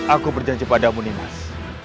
aku berjanji padamu nimas